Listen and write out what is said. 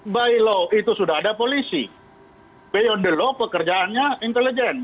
by law itu sudah ada polisi beyond the law pekerjaannya intelijen